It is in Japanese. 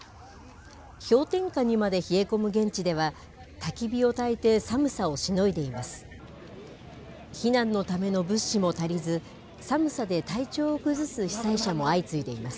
氷点下にまで冷え込む現地では、たき火をたいて寒さをしのいでいます。